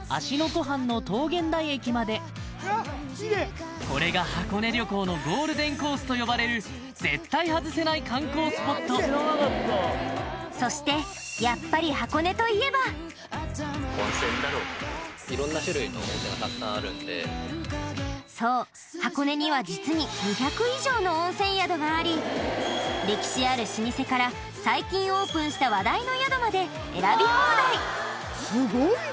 湖畔の桃源台駅までこれが箱根旅行のゴールデンコースと呼ばれる絶対外せない観光スポットそしてやっぱり箱根といえばがたくさんあるんでそう箱根には実に２００以上の温泉宿があり歴史ある老舗から最近オープンした話題の宿まで選び放題！